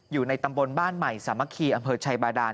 อยู่ในตำบลบ้านใหม่สามัคคีอำเภอชัยบาดาน